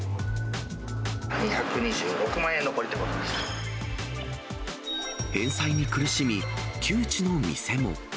２２６万円、返済に苦しみ、窮地の店も。